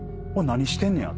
何してんねや？